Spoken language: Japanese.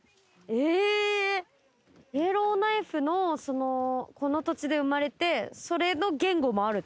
イエローナイフのこの土地で生まれてそれの言語もあるってことなんですね。